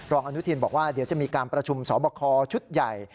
อนุทินบอกว่าเดี๋ยวจะมีการประชุมสอบคอชุดใหญ่